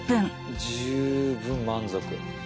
十分満足。